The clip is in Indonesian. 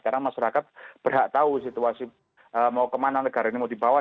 karena masyarakat berhak tahu situasi mau kemana negara ini mau dibawa